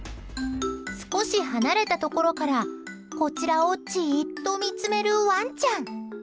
少し離れたところからこちらを、じーっと見つめるワンちゃん。